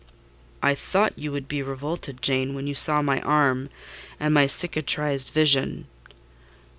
"I thought you would be revolted, Jane, when you saw my arm, and my cicatrised visage."